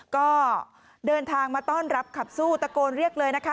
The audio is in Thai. ก็เดินทางมาต้อนรับขับสู้ตะโกนเรียกเลยนะคะ